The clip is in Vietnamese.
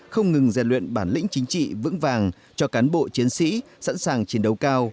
không ngừng rèn luyện bản lĩnh chính trị vững vàng cho cán bộ chiến sĩ sẵn sàng chiến đấu cao